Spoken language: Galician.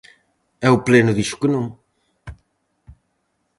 E o pleno dixo que non.